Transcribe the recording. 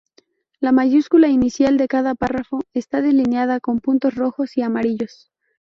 La mayúscula inicial de cada párrafo está delineada con puntos rojos y amarillos.